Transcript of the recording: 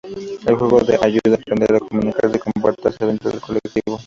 El juego les ayuda a aprender a comunicarse y comportarse dentro del colectivo.